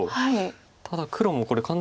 ただ黒もこれ簡単に。